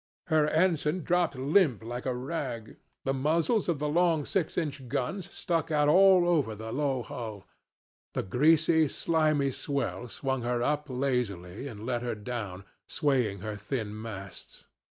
Her ensign dropped limp like a rag; the muzzles of the long eight inch guns stuck out all over the low hull; the greasy, slimy swell swung her up lazily and let her down, swaying her thin masts.